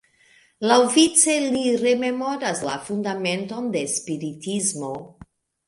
Laŭvice li rememoras la fundamenton de Spiritismo.